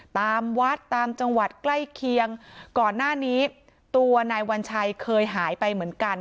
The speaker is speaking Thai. ตามวัดตามจังหวัดใกล้เคียงก่อนหน้านี้ตัวนายวัญชัยเคยหายไปเหมือนกัน